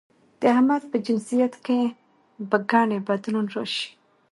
د احمد په جنسيت کې به ګنې بدلون راشي؟